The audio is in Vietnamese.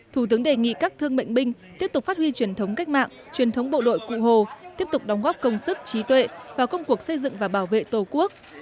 thủ tướng đề nghị các thương bệnh binh tiếp tục phát huy truyền thống cách mạng truyền thống bộ đội cụ hồ tiếp tục đóng góp công sức trí tuệ vào công cuộc xây dựng và bảo vệ tổ quốc